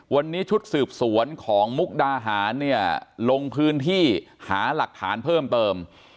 วันนี้ชุดสืบสวนของมุกดาหารเนี่ยลงพื้นที่หาหลักฐานเพิ่มเติม